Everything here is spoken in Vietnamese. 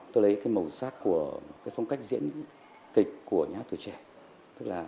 tôi lấy cái màu sắc của cái phong cách diễn kịch của nhà hát tuổi trẻ